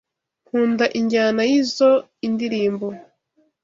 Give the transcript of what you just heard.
Nkunda injyana yizoi ndirimbo.